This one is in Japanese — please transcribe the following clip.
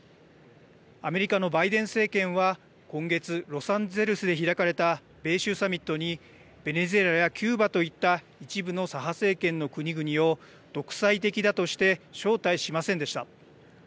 アメリカのバイデン政権は、今月ロサンゼルスで開かれた米州サミットにベネズエラやキューバといった一部の左派政権の国々を独裁的だとして招待しませんでした。